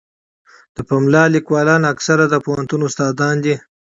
د پملا لیکوالان اکثره د پوهنتون استادان دي.